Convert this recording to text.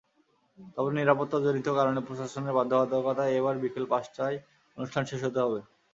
তবে নিরাপত্তাজনিত কারণে প্রশাসনের বাধ্যবাধকতায় এবার বিকেল পাঁচটায় অনুষ্ঠান শেষ হতে হবে।